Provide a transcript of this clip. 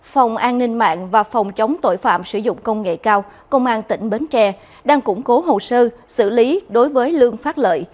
phòng an ninh mạng và phòng chống tội phạm sử dụng công nghệ cao công an tỉnh bến tre đang củng cố hồ sơ xử lý đối với lương phát lợi